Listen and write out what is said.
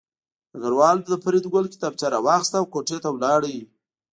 ډګروال د فریدګل کتابچه راواخیسته او کوټې ته لاړ